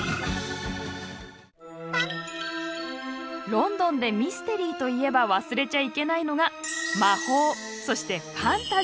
ロンドンでミステリーといえば忘れちゃいけないのが２１！